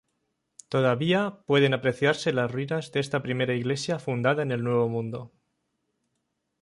Todavía pueden apreciarse las ruinas de esta primera iglesia fundada en el Nuevo Mundo.